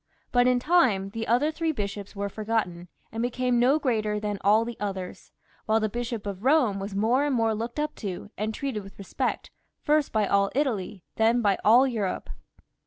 But in time the other three bishops were forgotten, and became no greater than all the others, while the Bishop of Bome was more and more looked up to, and treated with respect, first by all Italy, then by all Europe.